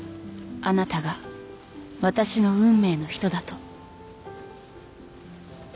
「あなたが私の運命の人だと」